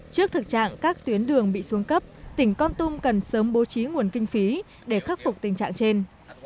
trước thực trạng các tuyến đường bị xuống cấp tỉnh con tum cần sớm bố trí nguồn kinh phí để khắc phục tình trạng trên